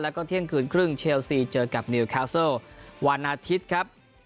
แล้วก็เที่ยงคืนครึ่งเชลซีเจอกับนิวแคลวันอาทิตย์ครับ